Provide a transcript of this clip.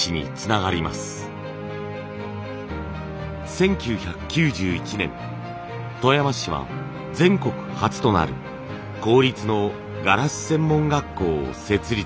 １９９１年富山市は全国初となる公立のガラス専門学校を設立します。